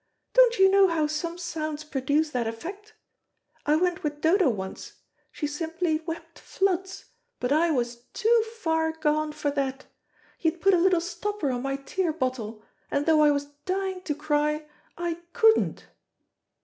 Don't you know how some sounds produce that effect? I went with Dodo once. She simply wept floods, but I was too far gone for that. He had put a little stopper on my tear bottle, and though I was dying to cry, I couldn't."